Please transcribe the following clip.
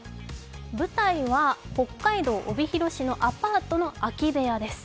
舞台は北海道帯広市のアパートの空き部屋です。